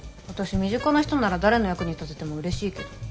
私身近な人なら誰の役に立てても嬉しいけど。